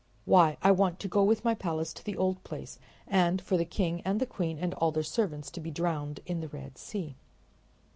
Why, I want to go with my palace to the old place, and for the king and the queen and all their servants to be drowned in the Red Sea."